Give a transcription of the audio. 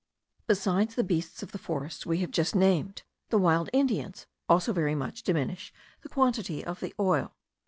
Besides the beasts of the forests we have just named, the wild Indians also very much diminish the quantity of the oil.